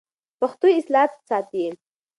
پښتو اصالت ساتي.